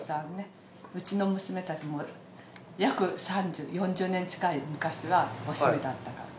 うちの娘たちも約３０４０年近い昔はおしめだったから。